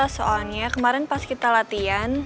soalnya kemarin pas kita latihan